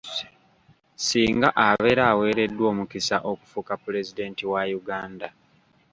Singa abeera aweereddwa omukisa okufuuka Pulezidenti wa Uganda.